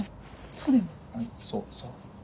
そうそう。